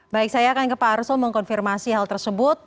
baik saya akan ke pak arsul mengkonfirmasi hal tersebut